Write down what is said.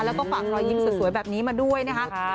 แล้วก็ฝากรอยยิ้มสวยแบบนี้มาด้วยนะคะ